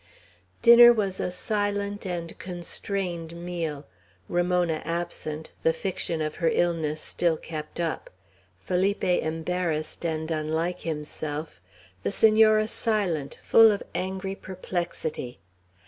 Dinner was a silent and constrained meal, Ramona absent, the fiction of her illness still kept up; Felipe embarrassed, and unlike himself; the Senora silent, full of angry perplexity.